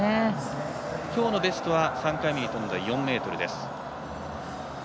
きょうのベストは３回目に跳んだ４ｍです。